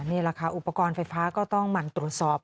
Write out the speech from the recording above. นี่แหละค่ะอุปกรณ์ไฟฟ้าก็ต้องหมั่นตรวจสอบ